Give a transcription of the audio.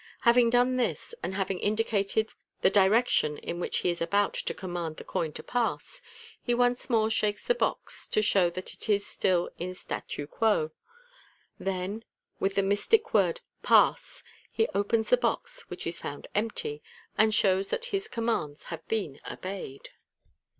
Having done this, and having indicated the direction in which he is about to com mand the coin to pass, he once more shakes the box to show that it is still in statu quo. Then, with the mystic word " Pass !" he opens the box, which is found empty, and shows that his commands have been obeyed.